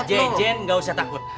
jajan gak usah takut